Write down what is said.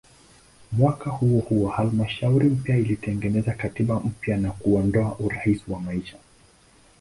Mwaka huohuo halmashauri mpya ilitangaza katiba mpya na kuondoa "urais wa maisha".